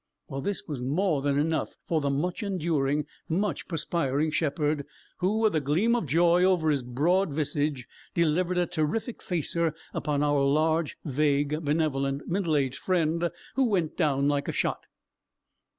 This was more than enough for the much enduring, much perspiring shepherd, who, with a gleam of joy over his broad visage, delivered a terrific facer upon our large, vague, benevolent, middle aged friend who went down like a shot.